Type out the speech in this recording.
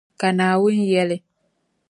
Ka Naawuni yεli.